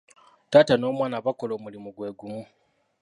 Taata n'omwana bakola omulimu gwe gumu.